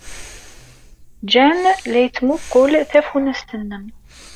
Jean la yettmuqqul tafunast-nnem.